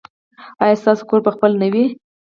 ایا ستاسو کور به خپل نه وي؟